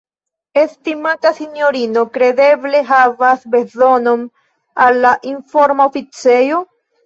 Estimata sinjorino kredeble havas bezonon al la informa oficejo?